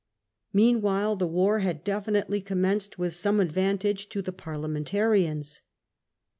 Meanwhile the war had definitely commenced, with some advantage to the Parliamentarians.